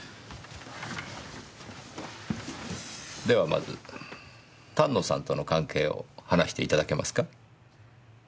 ではまず丹野さんとの関係を話していただけますか。